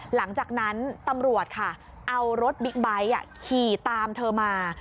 หลังจากนั้นตำรวจค่ะเอารถบิ๊กไบท์ขี่ตามเธอมา